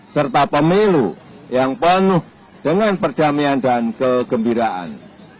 serta pemilu yang penuh dengan perdamaian dan kegembiraan